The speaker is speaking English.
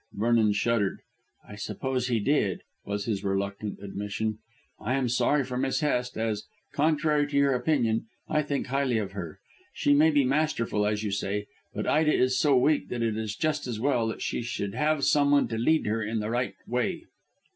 Vernon shuddered. "I suppose he did," was his reluctant admission. "I am sorry for Miss Hest, as, contrary to your opinion, I think highly of her. She may be masterful, as you say, but Ida is so weak that it is just as well that she should have someone to lead her in the right way."